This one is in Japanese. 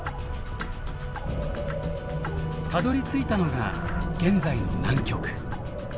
たどりついたのが現在の南極。